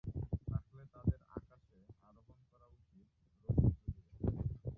থাকলে তাদের আকাশে আরোহণ করা উচিত রশি ঝুলিয়ে।